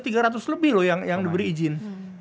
fintech itu ada tiga ratus lebih loh yang diberi izin